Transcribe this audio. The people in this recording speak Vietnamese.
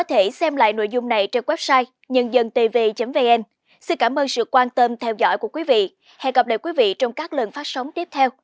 hẹn gặp lại các bạn trong các lần phát sóng tiếp theo